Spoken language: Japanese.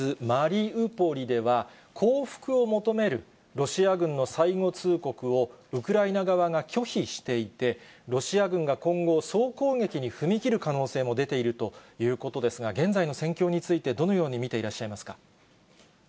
マリウポリでは、降伏を求めるロシア軍の最後通告を、ウクライナ側が拒否していて、ロシア軍が今後、総攻撃に踏み切る可能性も出ているということですが、現在の戦況について、どのように見ていらっしゃいますか。